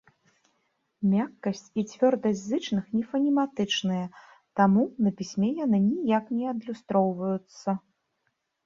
Мяккасць і цвёрдасць зычных не фанематычныя, таму на пісьме яны ніяк не адлюстроўваюцца.